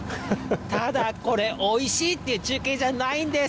ただこれ、おいしいって中継じゃないんです。